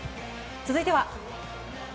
続いては。